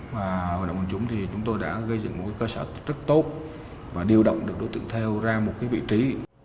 và hội động quần chúng thì chúng tôi đã gây dựng một cơ sở rất tốt và điều động được đối tượng theo ra một cái vị trí